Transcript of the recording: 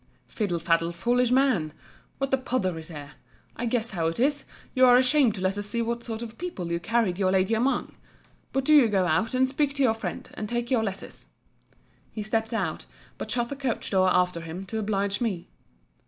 Fiddle faddle, foolish man—What a pother is here! I guess how it is: you are ashamed to let us see what sort of people you carried your lady among—but do you go out, and speak to your friend, and take your letters. He stept out; but shut the coach door after him, to oblige me.